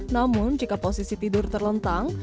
namun jika posisi tidur terlentang